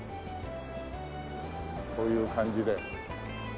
こういう感じで。